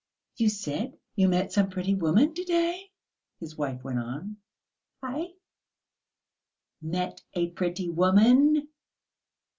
"You said, you met some pretty woman to day?" his wife went on. "Eh?" "Met a pretty woman?"